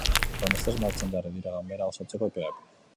Horrenbestez, martxan jarri dira ganbera osatzeko epeak.